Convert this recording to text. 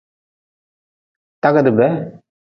Tagdi be.